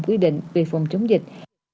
quy định về phòng chống dịch